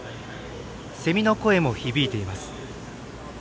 せみの声も響いています。